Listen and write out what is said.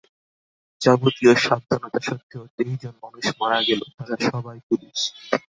যাবতীয় সাবধানতা সত্ত্বেও তেইশজন মানুষ মারা গেল, তারা সবাই পুলিশ।